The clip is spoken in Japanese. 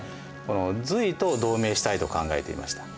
隋と同盟したいと考えていました。